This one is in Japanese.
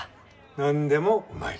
何でもうまい。